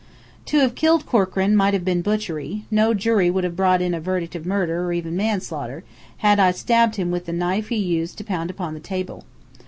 To have killed Corkran might have been butchery; no jury could have brought in a verdict of murder or even manslaughter, had I stabbed him with the knife he used to pound upon the table.